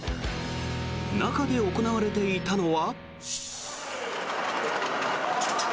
中で行われていたのは。